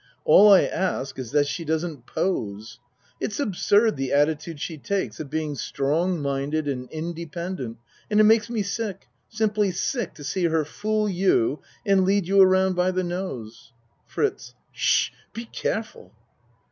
All I ask is that she doesn't pose. It's absurd the atti tude she takes of being strong minded and inde pendent and it makes me sick simply sick to see her fool you and lead you around by the nose. FRITZ Sh! Be careful!